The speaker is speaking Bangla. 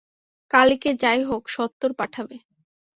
কালীকে যাই হোক সত্বর পাঠাবে।